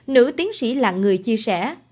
nữ tiến sĩ là người chia sẻ